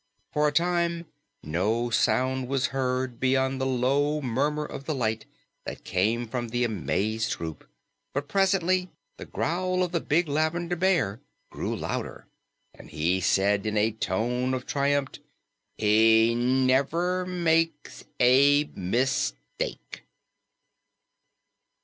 For a time, no sound was heard beyond the low murmur of delight that came from the amazed group, but presently the growl of the big Lavender Bear grew louder, and he said in a tone of triumph, "He never makes a mistake!"